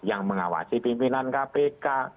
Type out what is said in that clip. yang mengawasi pimpinan kpk